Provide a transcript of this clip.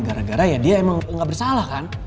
gara gara ya dia emang nggak bersalah kan